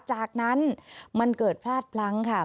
จากนั้นมันเกิดพลาดพลั้งค่ะ